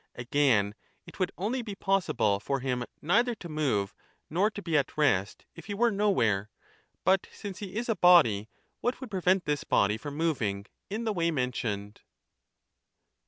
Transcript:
Again, it would only be possible for him neither to move nor to be at rest if he were nowhere ; 2 but since he is a body, what would prevent this body from moving, in the way mentioned